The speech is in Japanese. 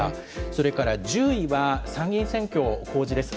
それから１０位は、参議院選挙公示です。